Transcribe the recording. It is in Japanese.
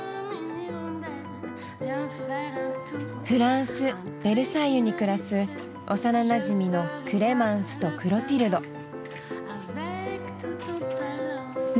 フランス・ベルサイユに暮らす幼なじみのクレマンスとクロティルド。